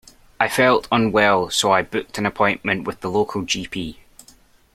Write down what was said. I felt unwell so I booked an appointment with the local G P.